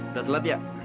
udah telat ya